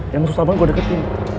yang susah banget gue deketin